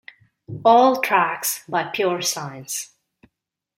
All tracks by Pure Science.